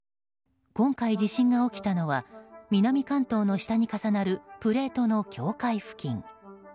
今回、地震が起きたのは南関東の下に重なるプレートの境界付近。